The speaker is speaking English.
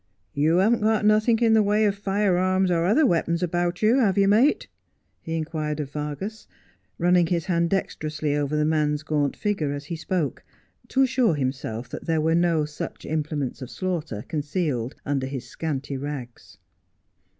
You haven't got nothink in the way of firearms or other weapons about you, have you, mate 1 ' he inquired of Vargas, running his hand dexterously over the man's gaunt figure, as he spoke, to assure himself that there were no such implements of slaughter concealed under his scanty rags.